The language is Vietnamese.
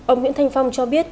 ông nguyễn thanh phong cho biết